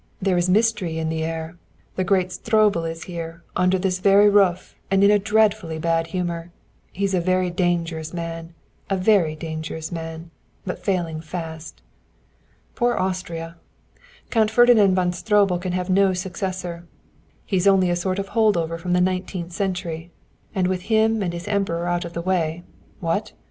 There's mystery in the air the great Stroebel is here under this very roof and in a dreadfully bad humor. He is a dangerous man a very dangerous man, but failing fast. Poor Austria! Count Ferdinand von Stroebel can have no successor he's only a sort of holdover from the nineteenth century, and with him and his Emperor out of the way what?